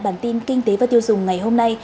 bản tin kinh tế của hồ chí minh